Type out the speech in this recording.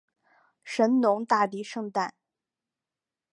神农大帝圣诞